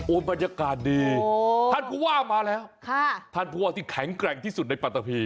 บรรยากาศดีท่านผู้ว่ามาแล้วท่านผู้ว่าที่แข็งแกร่งที่สุดในปัตตะพี